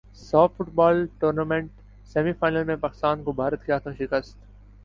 ساف football tournament semi final میں پاکستان کو بھارت کے ہاتھوں شکست